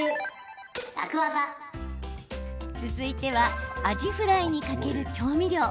続いてはアジフライにかける調味料。